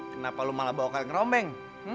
kenapa lu malah bawa kali ngerombeng